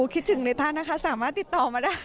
คิดถึงในท่านนะคะสามารถติดต่อมาได้